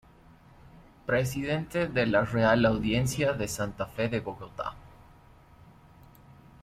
Presidente de la Real Audiencia de Santa Fe de Bogotá.